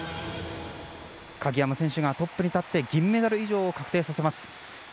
鍵山選手がトップに立って銀メダル以上を確定させます。